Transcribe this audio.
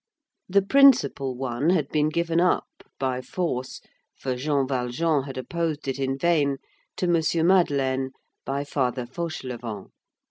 The principal one had been given up, by force, for Jean Valjean had opposed it in vain, to M. Madeleine, by Father Fauchelevent.